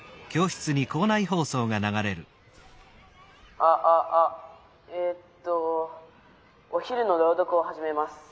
「あああえっとお昼の朗読をはじめます。